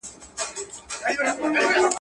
هغه د خوراک سمبالښت ته ډېره پاملرنه کوي.